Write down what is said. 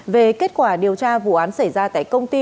về kết quả điều tra vụ án xảy ra tại công ty